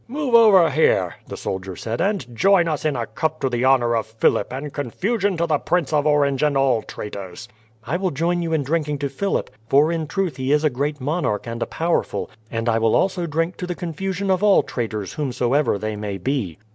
"Move over here," the soldier said, "and join us in a cup to the honour of Philip and confusion to the Prince of Orange and all traitors." "I will join you in drinking to Philip, for in truth he is a great monarch and a powerful, and I will also drink to the confusion of all traitors whomsoever they may be."